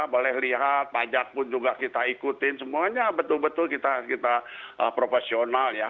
boleh lihat pajak pun juga kita ikutin semuanya betul betul kita profesional ya